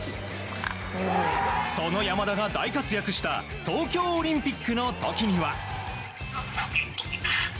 その山田が大活躍した東京オリンピックの時には。